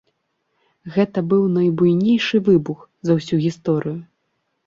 Гэта быў найбуйнейшы выбух за ўсю гісторыю.